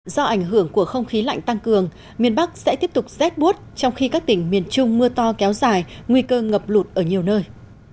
do ảnh hưởng của không khí lạnh tăng cường miền bắc sẽ tiếp tục rét bút trong khi các tỉnh miền trung mưa to kéo dài nguy cơ ngập lụt ở nhiều nơi